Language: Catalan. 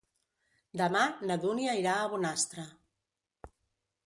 Demà na Dúnia irà a Bonastre.